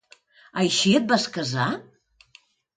Així et vas casar?